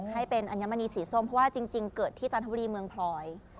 ให้เป็นอัญมณีสีส้มเพราะว่าจริงเกิดที่จันทบุรีเมืองพลอย